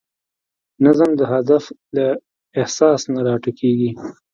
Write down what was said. نظم د هدف له احساس نه راټوکېږي.